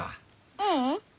ううん。